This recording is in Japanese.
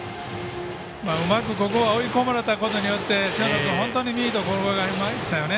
うまくここは追い込まれたことによって塩野君、本当にミートを心がけましたよね。